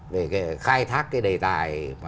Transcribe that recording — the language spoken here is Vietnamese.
để khai thác cái đề tài